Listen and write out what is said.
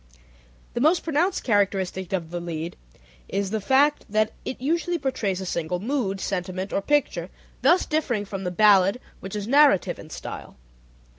The most pronounced characteristic of the lied is the fact that it usually portrays a single mood, sentiment, or picture, thus differing from the ballad, which is narrative in style.